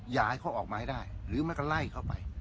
อยากให้เขาออกมาให้ได้หรือมันก็ไล่เข้าไป